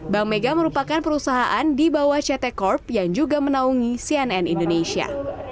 bank mega merupakan perusahaan di bawah ct corp yang juga menaungi cnn indonesia